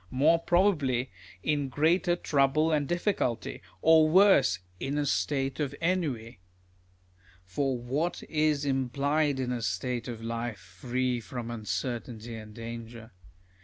More probably, in greater trouble and difiiculty ; or worse, in a state of ennui ? For what is implied in a state of Life free from uncer 142 DIALOGUE BETWEEN tainty and danger